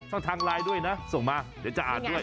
ทางไลน์ด้วยนะส่งมาเดี๋ยวจะอ่านด้วย